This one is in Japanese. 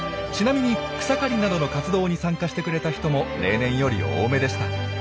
ちなみに草刈りなどの活動に参加してくれた人も例年より多めでした。